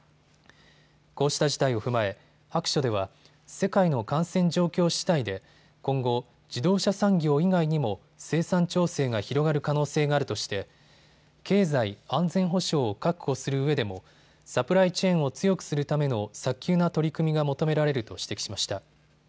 こうした事態を踏まえ白書では世界の感染状況しだいで今後、自動車産業以外にも生産調整が広がる可能性があるとして経済安全保障を確保するうえでもサプライチェーンを強くするための早急な取り組みが求められると指摘しました。